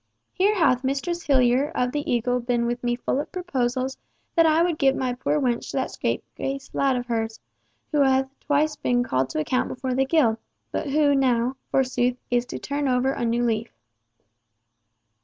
"Here hath Mistress Hillyer of the Eagle been with me full of proposals that I would give my poor wench to that scapegrace lad of hers, who hath been twice called to account before the guild, but who now, forsooth, is to turn over a new leaf."